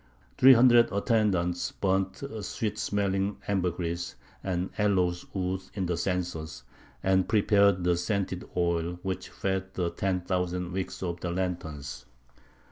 Three hundred attendants burnt sweet smelling ambergris and aloes wood in the censers, and prepared the scented oil which fed the ten thousand wicks of the lanterns.